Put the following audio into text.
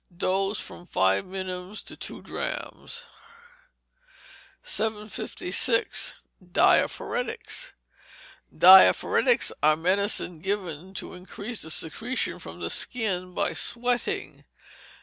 Dose, from five minims to two drachms. 756. Diaphoretics. Diaphoretics are medicines given to increase the secretion from the skin by sweating.